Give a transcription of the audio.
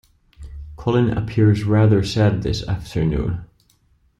Colin appears rather sad this afternoon